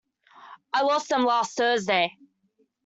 I lost them last Thursday.